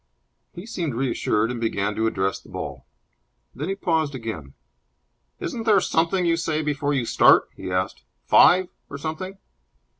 He seemed reassured, and began to address the ball. Then he paused again. "Isn't there something you say before you start?" he asked. "'Five', or something?"